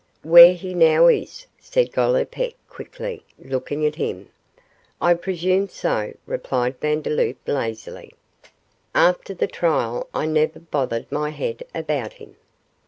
'Where he now is,' said Gollipeck, quickly, looking at him. 'I presume so,' replied Vandeloup, lazily. 'After the trial I never bothered my head about him.